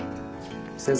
先生